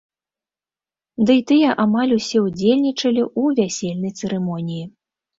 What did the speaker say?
Дый тыя амаль усе ўдзельнічалі ў вясельнай цырымоніі.